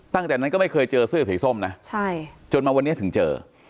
ตั้งแต่นั้นก็ไม่เคยเจอเสื้อสีส้มนะจนมาวันนี้ถึงเจอ